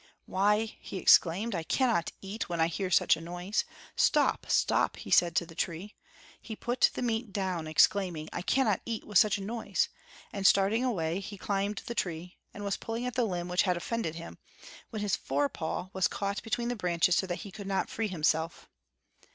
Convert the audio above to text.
"Why," he exclaimed, "I cannot eat when I hear such a noise. Stop, stop!" he said to the tree. He put the meat down, exclaiming "I cannot eat with such a noise"; and starting away he climbed the tree, and was pulling at the limb which had offended him, when his fore paw was caught between the branches so that he could not free himself.